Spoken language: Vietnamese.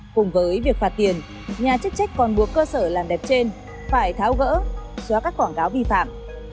cùng với việc phạt tiền nhà chức trách còn buộc cơ sở làm đẹp trên phải tháo gỡ xóa các quảng cáo vi phạm